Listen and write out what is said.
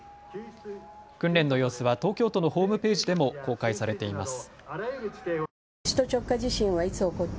訓練の様子は東京都のホームページでも公開されています。